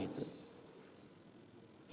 tentunya saudara sudah mengetahui